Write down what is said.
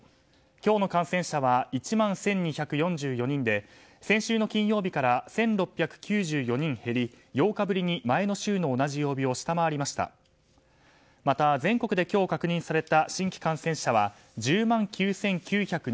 今日の感染者は１万１２４４人で先週の金曜日から１６９４人減り８日ぶりに前の週の同じ曜日を下回りました。